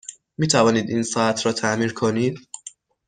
می توانید این ساعت را تعمیر کنید؟